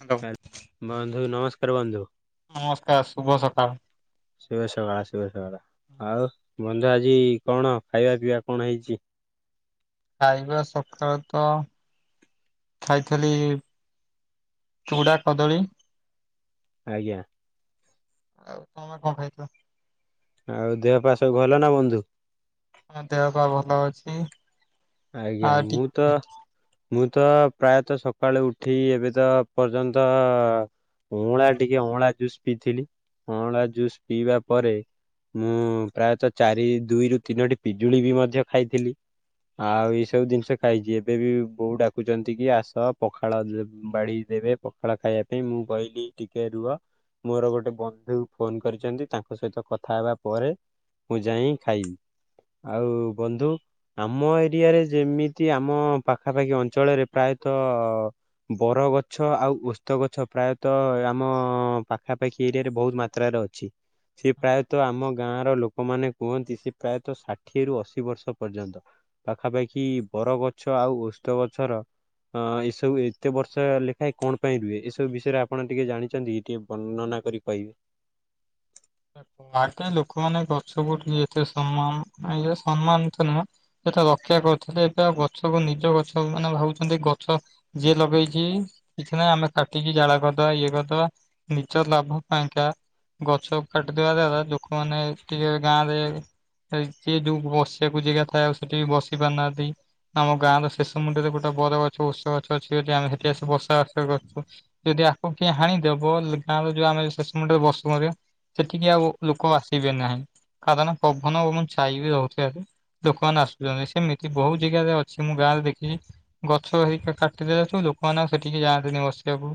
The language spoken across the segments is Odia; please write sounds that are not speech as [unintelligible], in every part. ହ୍ୟାଲୋ। ବନ୍ଧୁ ନମସ୍କାର ବନ୍ଧୁ। ନମସ୍କାର ଶୁଭ ସକାଳ। ଶୁଭ ସକାଳ ଶୁଭ ସକାଳ ଆଉ ବନ୍ଧୁ ଆଜି କଣ ଖାଇବା ପିଇବା କଣ ହେଇଛି? [inaudible] ଖାଇବା ସକାଳ ତ ଖାଇଥିଲି ଚୁଡ଼ା କଦଳୀ। ଆଜ୍ଞା। ଆଉ ତମେ କଣ ଖାଇଥିଲ? ଆଉ ଦେହ ପା ସବୁ ଭଲ ନା ବନ୍ଧୁ? ହଁ ଦେହ ପାହ ଭଲ ଅଛି। ଆଜ୍ଞା ଆଉ ମୁଁ ତ ଟିକେ ମୁଁ ତ ପ୍ରାୟତଃ ସକାଳୁ ଉଠି ଏବେ ତ ପର୍ଯ୍ୟନ୍ତ ଅଁଳା ଟିକେ ଅଁଳା ଜୁସ୍ ପିଇଥିଲି ଅଁଳା ଜୁସ୍ ପିଇବା ପରେ ମୁଁ ପ୍ରାୟତଃ ଚାରି ଦୁଇରୁ ତିନୋଟି ପିଜୁଳି ବି ମଧ୍ୟ ଖାଇଥିଲି। ଆଉ ଏଇ ସବୁ ଜିନିଷ ଖାଇଛି ଏବେ ବି ବୋଉ ଡାକୁଛନ୍ତି କି ଆସ ପଖାଳ ବାଢି ଦେବେ ପଖାଳ ଖାଇବା ପାଇଁ ମୁଁ କହିଲି ଟିକେ ରୁହ ମୋର ଗୋଟେ ବନ୍ଧୁ ଫୋନ କରିଛନ୍ତି ତାଙ୍କ ସହିତ କଥା ହେବା ପରେ ମୁଁ ଯାଇ ଖାଇବି ଆଉ ବନ୍ଧୁ ଆମ ଏ ଏରିଆରେ ଯେମିତି ଆମ ପାଖାପାଖି ଅଞ୍ଚଳରେ ପ୍ରାୟତଃ ବର ଗଛ ଆଉ ଓସ୍ତ ଗଛ ପ୍ରାୟତଃ ଆମ ପାଖାପାଖି ଏରିଆରେ ବହୁତ ମାତ୍ରାରେ ଅଛି। ସେ ପ୍ରାୟତଃ ଆମ ଗାଁ ର ଲୋକମାନେ କୁହନ୍ତି ସେ ପ୍ରାୟତଃ ଷାଠିଏରୁ ଅଶୀ ବର୍ଷ ପର୍ଯ୍ୟନ୍ତ। ପାଖାପାଖି ବର ଗଛ ଆଉ ଓସ୍ତ ଗଛର ଅ ଏସବୁ ଏତେ ବର୍ଷ ଲେଖାଏଁ କଣ ପାଇଁ ରୁହେ ଏସବୁ ବିଷୟରେ ଆପଣ ଟିକେ ଜାଣିଛନ୍ତି ଟିକେ ବର୍ଣ୍ଣନା କରି କହିବେ। ଆଗେ ଲୋକମାନେ ଗଛକୁ ଏତେ ସମ୍ମାନ ଇ ସମ୍ମାନ ତ ନୁହଁ ରକ୍ଷା କରିଥିଲେ ଏଟା ଗଛକୁ ନିଜ ଗଛ ମାନେ ଭାବଛନ୍ତି ଗଛ ଯିଏ ଲଗେଇଛି କିଛି ନାହିଁ ଆମେ କାଟିକି ଜାଳ କରିଦବା ଇଏ କରିଦବା ନିଜ ଲାଭ ପାଇଁ କା ଗଛ କାଟିଦବା ଲୋକମାନେ ଟିକେ ଗାଁରେ ସେ ଏ ଯୋଉ ବସିବାକୁ ଜାଗା ଥାଏ ଆଉ ସେଠି ବି ବସି ପାରୁନାହାନ୍ତି। ଆମ ଗାଁ ର ଶେଷରେ ମନ୍ଦିରେ ଗୋଟେ ବର ଗଛ ଓସ୍ତ ଗଛ ଅଛି ହେଠୀ ଆମେ ସେଠି ସବୁ ବାସ ଉଠା କରୁ ଯଦି ଆକୁ କି ହାଣିଦବ ଗାଁ ର ଯୋଉ ଆମେ ଶେଷ ମୁଣ୍ଡ ରେ ବସୁ ସେଠିକି ଆଉ ଲୋକ ଆସିବେ ନାହିଁ କାରଣ ପବନ ହବନି ଛାଇ ବି [unintelligible] ଲୋକମାନେ ଆସୁଛନ୍ତି ସେମିତି ବହୁତ ଜାଗାରେ ଅଛି ମୁଁ ଗାଁରେ ଦେଖିକି ଗଛ କାଟିଦେଲା ଆଉ ଲୋକାମାନେ ସେଠିକି ଯାଆନ୍ତେନି ବସିବାକୁ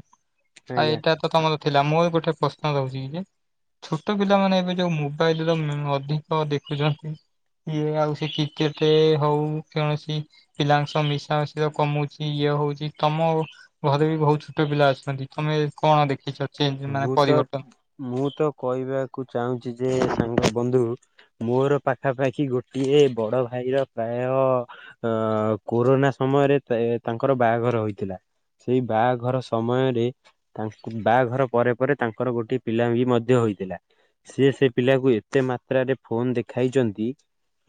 ଆଉ ଆଜ୍ଞା। ଏଇଟା ତ ତମର ଥିଲା ମୁଁ ବି ଗୋଟେ ପ୍ରଶ୍ନ ରହୁଛି କି ଯେ ଛୋଟ ପିଲାମାନେ ଏବେ ଯୋଉ ମୋବାଇଲ ର ଅଧିକ ଦେଖୁଛନ୍ତି। ଇଏ ଆଉ ସେ କ୍ରିକେଟ ରେ ହଉ କୌଣସି ପିଲାଙ୍କ ସହ ମିଶାମିଶି କମୁଛି ଇଏ ହଉଛି ତମ ଘରେ ବି ବହୁତ ଛୋଟ ପିଲା ଅଛନ୍ତି ତମେ କଣ ଦେଖିଛ? ଚେଞ୍ଜ ମାନେ ମୁଁ ତ ପରିବର୍ତ୍ତନ? ମୁଁ ତ କହିବାକୁ ଚାହୁଁଛି ଯେ ସାଙ୍ଗ ବନ୍ଧୁ ମୋର ପାଖାପାଖି ଗୋଟିଏ ବଡ ଭାଇର ପ୍ରାୟ ଅ କୋରୋନା ସମୟ ସମୟରେ ତାଙ୍କର ବାହାଘର ହୋଇଥିଲା ସେଇ ବାହାଘର ସମୟରେ ତାଙ୍କୁ ବାହାଘର ପରେ ପରେ ତାଙ୍କର ଗୋଟଏ ପିଲା ବି ମଧ୍ୟ ହୋଇଥିଲା। ସେ ସେ ପିଲାକୁ ଏତେ ମାତ୍ରାରେ ଫୋନ ଦେଖାଇଛନ୍ତି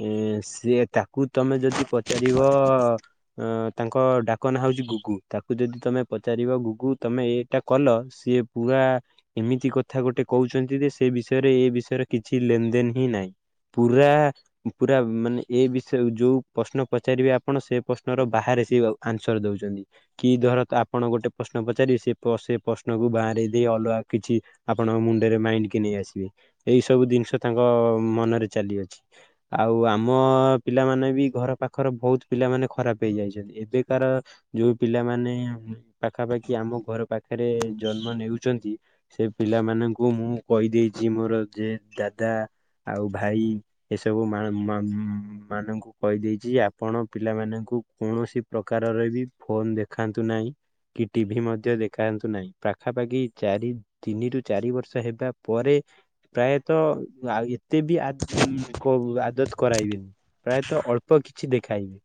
ଏ ସେ ତାକୁ ତମେ ଯଦି ପଚାରିବ ଅ ତାଙ୍କ ଡାକ ନା ହଉଛି ଗୁଗୁ ତାକୁ ଯଦି ତମେ ପଚାରିବ ଗୁଗୁ ତମେ ଏଇଟା କଲ ସିଏ ପୁରା ଏମିତି କଥା ଗୋଟେ କହୁଛନ୍ତି ଯେ ସେ ବିଷୟରେ ଏ ବିଷୟରେ କିଛି ଲେନ ଦେନ ହିଁ ନାହିଁ। ପୁରା ପୁରା ମାନେ ଏ ବିଷୟ ଯୋଉ ପ୍ରଶ୍ନ ପଚାରିବେ ଆପଣ ସେ ପ୍ରଶ୍ନର ବାହାରେ ଆନ୍ସର ଦଉଛନ୍ତି କି ଧର ଆପଣ ଗୋଟେ ପ୍ରଶ୍ନ ପଚାରିବେ ସେ ସେ ପ୍ରଶ୍ନକୁ ବାହାରେ ଦେଇ ଅଲଗା କିଛି ଆପଣଙ୍କ ମୁଣ୍ଡରେ ମାଇଣ୍ଡ କି ନେଇ ଆସିବେ ଏଇ ସବୁ ଜିନିଷ ତାଙ୍କ ମନରେ ଚାଲିଅଛି ଆଉ ଆମ ପିଲାମାନେ ବି ଘର ପାଖର ବହୁତ ପିଲାମାନେ ଖରାପ ହେଇଯାଇଛନ୍ତି। ଏ ଯୋଉ ତାର ଯୋଉ ପିଲାମାନେ ପାଖାପାଖି ଆମ ଘର ପାଖରେ ଜନ୍ମ ନେଉ ସେ ପିଲାମାନଙ୍କୁ ମୁଁ କହିଦେଇଛି ମୋର ଯେ ଦାଦା ଆଉ ଭାଇ ଏସବୁ ମାନଙ୍କୁ କହିଦେଇଛି ଆପଣ ପିଲାମାନଙ୍କୁ କୌଣସି ପ୍ରକାରର ବି ଫୋନ ଦେଖାନ୍ତୁ ନାହିଁ କି ଟିଭି ମଧ୍ୟ ଦେଖାନ୍ତୁ ନାହିଁ ପାଖାପାଖି ଚାରି ତିନିରୁ ଚାରି ବର୍ଷ ହେବା ପରେ ପ୍ରାୟତଃ ଆ ଏତେ ତେବେ ବି ଆଦତ କରାଇବେନି ପ୍ରାୟତଃ ଅଳ୍ପ କିଛି ଦେଖାଇବେ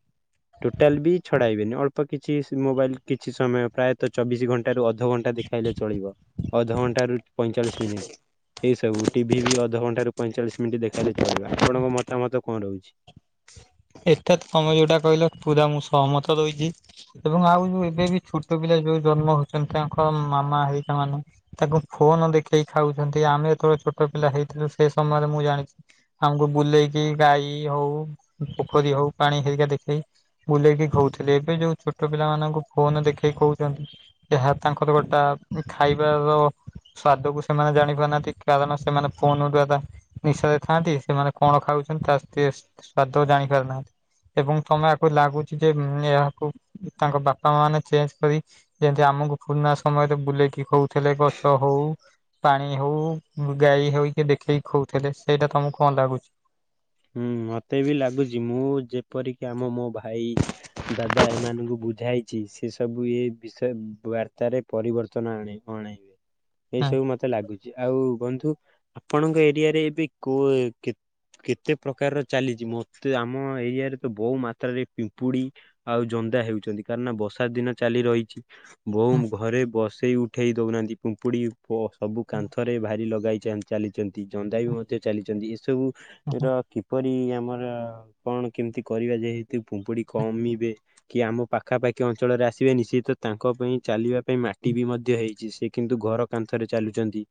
ଟୋଟାଲ ବି ଛଡାଇବେନି ଅଳ୍ପ କିଛି ମୋବାଇଲ କିଛି ସମୟ ପ୍ରାୟତଃ ଚବିଶ ଘଣ୍ଟା ରୁ ଅଧଘଣ୍ଟା ଦେଖାଇଲେ ଚଳିବ ଅଧଘଣ୍ଟା ରୁ ପଇଁଚାଳିଶ ମିନିଟ। ଏଇ ସବୁ ଟିଭି ବି ଅଧଘଣ୍ଟା ରୁ ପଇଁଚାଳିଶ ମିନିଟ୍ ଦେଖାଇଲେ ଚଳିବ ଆପଣଙ୍କ ମତାମତ କଣ ରହୁଛି ହ [inaudible] ହାଟାଥ ତମେ ଯୋଉଟା କହିଲ ପୁରା ମୁଁ ସହମତ ଦଉଛି ଏବଂ ଆଉ ଯୋଉ ଏବେ ବି ଛୋଟ ପିଲା ଯୋଉ ଜନ୍ମ ହଉଛନ୍ତି ତାଙ୍କ ମାମା ହେଇ ମାନେ ତାଙ୍କୁ ଫୋନ ଦେଖେଇ ଖାଉଛନ୍ତି ଆମେ ଯେତେବେଳେ ଛୋଟ ପିଲା ହେଇଥିଲୁ ସେ ସମୟରେ ମୁଁ ଜାଣିଛି ଆମକୁ ବୁଲେଇକି ଗାଈ ହଉ ପୋଖରୀ ହଉ ପାଣି ହେରିକା ଦେଖେଇ ବୁଲେଇକି ଖଉଥିଲେ ଏବେ ଯୋଉ ଛୋଟ ପିଲାମାନାନଙ୍କୁ ଫୋନ ଦେଖେଇ କହୁଛନ୍ତି ଏହା ତାଙ୍କର ଗୋଟା ଖାଇବାର ସ୍ଵାଦ କୁ ସେମାନେ ଜାଣି ପାରୁନାହାନ୍ତି କାରଣ ସେମାନେ ଫୋନ ଦ୍ଵାରା ନିଶାରେ ଥାଆନ୍ତି ସେମାନେ କଣ ଖାଉ ତା ଟେଷ୍ଟ୍ ସ୍ଵାଦ ଜାଣି ପାରୁନାହାନ୍ତି। ଏବଂ ତମେ ଆକୁ ଲାଗୁଛି ଯେ ଏହାକୁ ତାଙ୍କ ବାପା ମା ମାନେ ଚେଞ୍ଜ୍ କରି ଯେମତି ଆ ଆମକୁ ପୁରୁଣା ସମୟରେ ବୁଲେଇକି ହଉଥିଲେ ଗଛ ହଉ ପାଣି ହଉ, ଗାଈ ହଇକି ଦେଖେଇକି ଖଉଥିଲେ ସେଇଟା ତମକୁ କଣ ଲାଗୁଛି। ହୁଁ ମତେ ବି ଲାଗୁଛି ମୁଁ ଯେପରିକି ଆମ ମୋ ଭାଇ ଦାଦା ଏମାନଙ୍କୁ ବୁଝାଇଛି ସେ ସବୁ ଏ ବିଷୟ ବାର୍ତ୍ତାରେ ପରିବର୍ତ୍ତନ ଆଣେ ଅଣେ। ହୁଁ ଏଇସବୁ ମତେ ଲାଗୁଛି ଆଉ ବନ୍ଧୁ ଆପଣଙ୍କ ଏରିଆରେ ଏବେ କୋ-କେ-କେ ଏତେ କେତେ ପ୍ରକାରର ଚାଲିଛି ମତେ ଆମ ଏରିଆରେ ତ ବହୁ ମାତ୍ରାରେ ପିମ୍ପୁଡି ଆଉ ଜନ୍ଦା ହେଉ ଛନ୍ତି କାରଣ ବର୍ଷା ଦିନ ଚାଲି ରହିଛି ବୋଉ ହୁଁ ଘରେ ବସେଇ ଉ ଉଠେଇ ଦେଉନାହାନ୍ତି ପୁମ୍ପୁଡ଼ି ଓ ସବୁ କାନ୍ଥରେ ଭାରି ଲଗାଇ ଚା-ଚାଲିଛନ୍ତି ଜନ୍ଦା ବି ମଧ୍ୟ ଚାଲିଛନ୍ତି ଏସବୁ ହୁଁ ର କିପରି ଆମର [unintelligible] କଣ କେମିତି କରିବା ଯେହେତୁ ପୁମ୍ପୁଡି କମିବେ କି ଆମ ପାଖାପାଖି ଅଞ୍ଚଳରେ ଆସି [unintelligible] ନିଶ୍ଚିତ ତାଙ୍କ ପାଇଁ ଚାଲିବା ପାଇଁ ମାଟି ହୁଁ ବି ମଧ୍ୟ ହେଇଛି ସେ କିନ୍ତୁ ଘର କାନ୍ଥରେ ଚାଲୁଛନ୍ତି।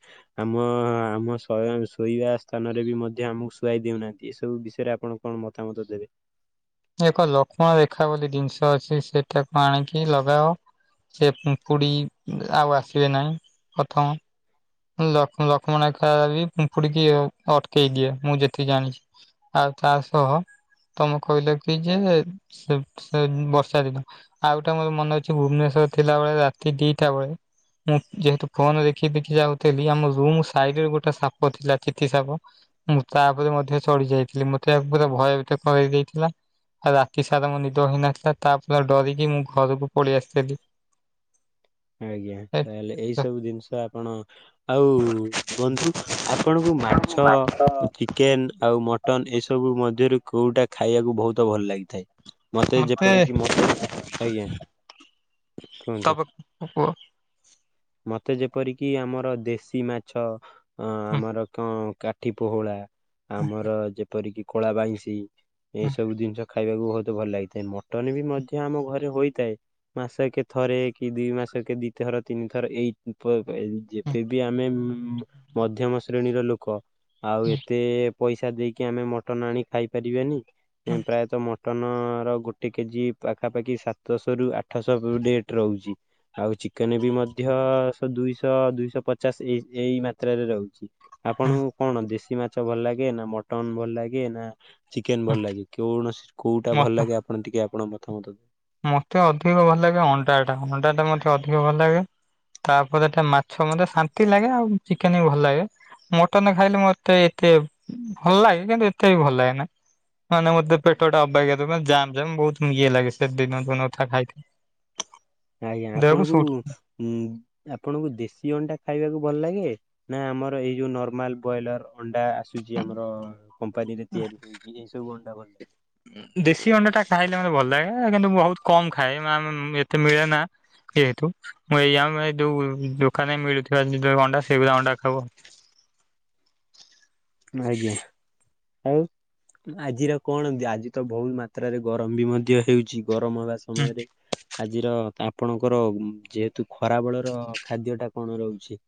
ଆମ ଆମ ଶୋଇବା ଶୋଇବା ସ୍ଥାନରେ ବି ମଧ୍ୟ ଆମ ସୁଆଇ ଦେଉନାହାନ୍ତି ଏସବୁ ବିଷୟରେ ଆପଣ କଣ ମତାମତ ଦେବେ? ଏକ ଲକ୍ଷ୍ମଣ ରେଖା ବୋଲି ଜିନିଷ ଅଛି ସେଟାକୁ ଆଣିକି ଲଗାଅ। ସେ ପିମ୍ପୁଡ଼ି ଆଉ ଆସିବେ ନାହିଁ ପ୍ରଥମ ଲକ୍ଷ ଲକ୍ଷ୍ମଣ ରେଖା ବି ପିମ୍ପୁଡିକି ଅଟକେଇ ଦିଏ ମୁଁ ଯେତିକି ଜାଣିଛି। ଆଉ ତା ସହ ତମେ କହିଲ କି ଯେ ସେ ସେ ବର୍ଷା ଦିନ ଆଉ ଟା ମୋର ମନେ ଅଛି ଭୁବନେଶ ଥିଲାବେଳେ ରାତି ଦିଟା ବେଳେ ମୁଁ ଯେହେତୁ ଫୋନ ଦେଖି ଦେଖି ଯାଉ [inaudible] ଆମ ରୁମ ସାଇଡରେ ଗୋଟେ ସାପ ଥିଲା ଚିଠି ସାପ ମୁଁ ତାଉପରେ ମଧ୍ୟ ଚଢ଼ି ଯାଇଥିଲି ମତେ ଦେହ ପୁରା ଭୟଭୀତ କରେଇ ଦେଇଥିଲା। ଆଉ ରାତି ସାରା ମୋ ନିଦ ହେଇନଥିଲା ତାପରେ ଡରିକି ମୁଁ ଘରକୁ ପଳେଇ ଆସିଥିଲି। ଆଜ୍ଞା ତାହେଲେ ଏଇ ସବୁ ଜିନିଷ ଆପଣ ଆଉ ବନ୍ଧୁ ଆପଣଙ୍କୁ ମାଛ, ଚିକେନ ଆଉ ମଟନ୍ ଏସବୁ ମଧ୍ୟରୁ କୋଉଟା ଖାଇବାକୁ ବହୁତ ଭଲ ଲାଗେ? ମତେ ଯେପରିକି ମତେ ଆଜ୍ଞା। କୁହନ୍ତୁ। [unintelligible] ମତେ ଯେପରିକି ଆମର ଦେଶୀ ମାଛ ଅ ଆମର କଣ କାଠି ପୋହଳା ଆମର ଯେପରିକି କଳା ବାଇଶି ଏଇ ସବୁ ଜିନିଷ ଖା ଖାଇବାକୁ ବହୁତ ଭଲ ଲାଗିଥାଏ ମଟନ ବି ମଧ୍ୟ ଆମ ଘରେ ହୋଇଥାଏ। ମାସେ କେ ଥରେ କି ଦି ମାସ କେ ଦି ଥର ତିନ ଥର ଏଇ ଯେବେ ବି ଆମେ ମଧ୍ୟମ ଶ୍ରେଣୀର ଲୋକ ଆଉ ଏତେ ପଇସା ଦେଇକି ଆମେ ମଟନ ଆଣି ଖାଇପାରିବାନି ପ୍ରାୟତଃ ମ ମଟନ ର ଗୋଟେ କେଜି ପାଖାପାଖି ସାତଶହ ରୁ ଆଠଶହ ରେଟ ରହୁଛି। ଆଉ ଚିକେନ ବି ମ ମଧ୍ୟ ସେ ଦୁଇଶହ ଦୁଇଶହ ପଚାଶ ଏ ଏଇ ମାତ୍ରାରେ ରହୁଛି ଆପଣଙ୍କୁ କଣ ଦେଶୀ [unintelligible] ମାଛ ଭଲ ଲାଗେ ନା ମଟନ ଭଲ ଲାଗେ ନା ଚିକେନ ଭଲ ଲାଗେ କୌଣସି କୋଉଟା ଭଲ ମତେ ଲାଗେ ଆପଣ ଟିକେ ଆପଣ ମତାମତ? ମତେ ଅଧିକ ଭଲ ଲାଗେ ଅଣ୍ଡା ଟା ଅଣ୍ଡା ଟା ମତେ ଅଧିକ ଭଲ ଲାଗେ। ତାପରେଟା ମାଛ ମତେ ଶାନ୍ତି ଲାଗେ ଆଉ ଚିକେନ ବି ଭଲ ଲାଗେ। ମଟନ ଖାଇଲେ ମତେ ଏତେ ଭଲ ଲାଗେ କିନ୍ତୁ ଏତେ ବି ଭଲ ଲାଗେ ନା। ମାନେ ମତେ ପେଟ ଟା ଅବାଗ୍ୟା [inaudible] ଜାମ୍ ଜାମ୍ ବହୁତ ଇଏ ଲାଗେ ସେଦିନ [unintelligible] ଖାଇକି। [inaudible] ଆଜ୍ଞା ଆପଣଙ୍କୁ ଉ ଆପଣଙ୍କୁ ଦେଶୀ ଅଣ୍ଡା ଖାଇବାକୁ ଭଲ ଲାଗେ? ନା ଆମର ଏଇ ଯୋଉ ନର୍ମାଲ ବଇଲର? ଅଣ୍ଡା ଆସୁଛି ଆମର କମ୍ପାନୀରେ ତିଆରି ହୋଇକି ଏସବୁ ଅଣ୍ଡା କରି ଦେଶୀ ଅଣ୍ଡା ଟା ଖାଇଲେ ମତେ ଭଲ ଲାଗେ କିନ୍ତୁ ବହୁତ କମ ଖାଏ ଏତେ ମିଳେ ନା। ଯେହେତୁ ମୁଁ ଏଇଆ ଯୋଉ ଦୋକାନରେ ମିଳୁଥିବା ଅଣ୍ଡା ସେଇ ଅଣ୍ଡା ଖାଉ। ଆଜ୍ଞା। ଆଉ ଆଜିର କଣ ଏ ଆଜି ତ ବହୁତ ମାତ୍ରାରେ ଗରମ ବି ମଧ୍ୟ ହେଉଛି। ଗରମ ହେବା ହୁଁ ସମୟରେ ଆଜିର ଆପଣଙ୍କର ଯେହେତୁ ଖରା ବେଳର ଖାଦ୍ୟ ଟା କଣ ରହୁଛି?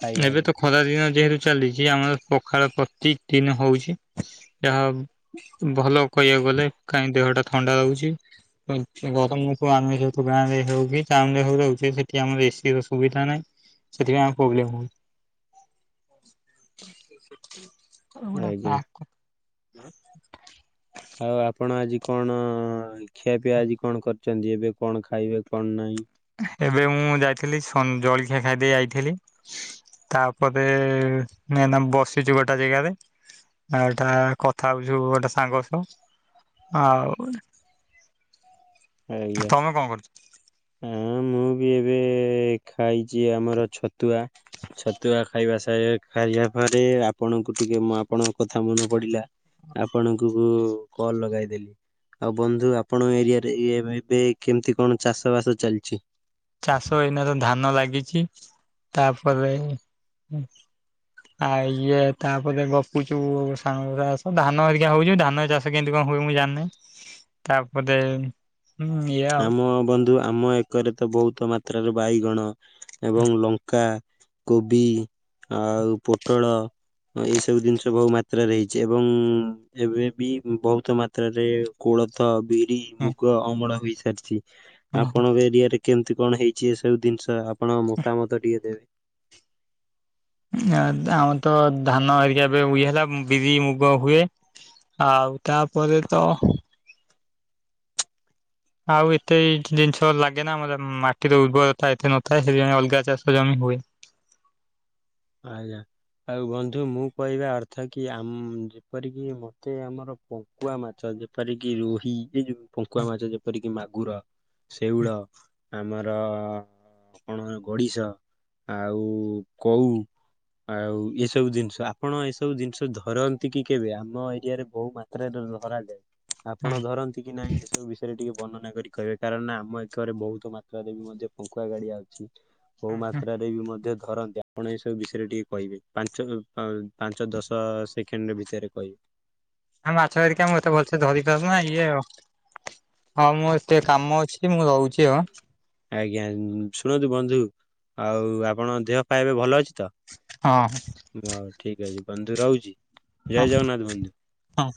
ଖାଇବା ଏବେ ତ ଲାଗି। ଖରା ଦିନ ଯେହେତୁ ଚାଲିଛି ଆମର ପଖାଳ ପ୍ରତି ଦିନ ହଉଛି ଯାହା ଭଲ କହିବାକୁ କାଇଁ ଦେହଟା ଥଣ୍ଡା ରହୁଛି ଗରମକୁ ଆମେତୁ ଗାଁରେ ହଉଛି ଟାଉନ ରହୁଛେ ସେଠି ଆମର ଏସିର ସୁବିଧା ନାହିଁ ସେଥିପାଇଁ ଆମର ପ୍ରୋବେଲମ ହଉଚି। [unintelligible] ଆଜ୍ଞା ହଁ। ଆଉ ଆପଣ ଆଜି କଣ ଖିଆପିଆ ଆଜି କଣ କରିଚନ୍ତି? ଏବେ କଣ ଖାଇବେ କଣ ନାଇଁ? ଏବେ ମୁଁ ଯାଇଥିଲି ସନ୍ ଜଳଖିଆ ଖାଇ ଦେଇ ଆଇଥିଲି। ତାପରେ ମୁଁ ଏଇନା ବସିଚି ଗୋଟା ଜାଗାରେ। ଆ, ଏଟା କଥା ହଉଛୁ ଗୋଟେ ସାଙ୍ଗ ସହ। ଆଉ ଆଜ୍ଞା, ତମେ କଣ କରୁଛ? ହଁ ମୁଁ ବି ଏବେ ଖାଇଚି ଆମର ଛତୁଆ। ଛତୁଆ ଖାଇବା ସ ଖାଇବା ପରେ ଆ ଆପଣଙ୍କୁ ଟିକେ ମୋ ଆପଣଙ୍କ କଥା ମନେ ପଡିଲା। ଆପଣଙ୍କୁ କୁ କଲ୍ ଲଗାଇଦଲି। ଆଉ ବନ୍ଧୁ ଆପଣଙ୍କ ଏରିଆ ରେ- ଇଏ ଏମିତି କେମିତି କଣ ଚାଷ ବାସ ଚାଲିଛି? ଚାଷ ଏଇନା ତ ଧାନ ଲାଗିଛି। ତାପରେ ଉଁ, ଆଉ ଇଏ ତାପରେ ଗପୁଚୁ ସାଙ୍ଗ ସାଣ। ଧାନ ହେରେକା ହଉଚୁ। ଧାନ ଚାଷ କେମିତି କଣ ହୁଏ ମୁଁ ଜାଣିନାହିଁ। ତାପରେ ହୁଁ ଇଏ ଆଉ ଆମ ବନ୍ଧୁ ଆମ ଏକରେ ତ ବହୁତ ମାତ୍ରାରେ ବାଇଗଣ ଏବଂ ଲଙ୍କା କୋବି ଆଉ ପୋଟଳ ଓ ଏଇ ସବୁ ଜିନିଷ ବହୁ ମାତ୍ରାରେ ହେଇଚି। ଏବଂ ଏବେ ବି ବହୁତ ମାତ୍ରାରେ କ ଳଥ, ବିରି, ହୁଁ ମୁଗ ଅମଳ ହେଇ ସାରିଚି। ହୁଁ ଆପଣଙ୍କ ଏରିଆରେ କେମତି କଣ ହେଇଛି ଏ ସବୁ ଦିନିଷ? ଆପଣ ମତାମତ ଟିକେ ଦେବେ। ଅ, ଆମର ତ ଧାନ ଏରିକା ଏବେ ଉଇ ହେଲା। ଉଁ ବିରି ମୁଗ ହୁଏ। ଆଉ ତାପରେ ତ ଆଉ ଏତେ ଜିନିଷ ଲାଗେନା। ଆମର ମାଟିର ଉର୍ବରତା ଏତେ ନଥାଏ । ସେଥିପାଇଁ ଅଲଗା ଚାଷ ଜମି ହୁଏ। ଆଜ୍ଞା। ଆଉ ବନ୍ଧୁ ମୁଁ କହିବା ଅର୍ଥ କି ଆମ୍ ଯେପରିକି ମୋତେ ଆମର ପଙ୍କୁଆ ମାଛ ଯେପରି କିି ରୋହି, ଏଇ ଯୋଉ ହୁଁ ପଙ୍କୁଆ ମାଛ ଯେପରିକି ମାଗୁର, ଶେଉଳ ଆମର କଣ ଗଡିଶ ଆଉ କଉ ଆଉ ଏସବୁ ଜିନିଷ ଆପଣ ଏ ସବୁ ଜିନିଷ ଧରନ୍ତି କି କେବେ? ଆମ ଏରିଆରେ ବହୁ ମାତ୍ରାରେ ଧରାଯାଏ। ଆପଣ ଧରନ୍ତି କି ନାଇଁ ଏସବୁ ବିଷୟରେ ଟିକେ ବର୍ଣନା କରି କହିବେ। କାରଣ ନା ଆମ ଏକରେ ବହୁତ ମାତ୍ରାରେ ବି ମଧ୍ୟ ପଙ୍କୁୁଆ ଗାଡିଆ ଅଛି। ବୋହୁ ମାତ୍ରାରେ ବି ମଧ୍ୟ ଧରନ୍ତି। ଆପଣ ଏ ସ ବୁ ବିଷୟରେ ଟିକେ କହିବେ। ପାଞ୍ଚ ଅ, ପାଞ୍ଚ ଦଶ ସେକେଣ୍ଡ ଭିତରେ କହିବେ। ଆ, ମାଛ ଧରିକି ଆ ମୁଁ ଏତେ ଭଲସେ ଧରି ପାରୁନା। ଇଏ ହଁ ମୁଁ ସେ କାମ ଅଛି ମୁଁ ରହୁଚି ଆଉ। ଆଜ୍ଞା ଶୁଣନ୍ତୁ ବନ୍ଧୁ ଆଉ ଆପଣ ଦେହ ପା ଏବେ ଭଲ ଅଛି ତ? ହଁ ହଁ ଠିକ ଅଛି ବନ୍ଧୁ ରହୁଚି। ହଁ ଜୟ ଜଗନ୍ନାଥ ବନ୍ଧୁ। [inaudible] ହଁ।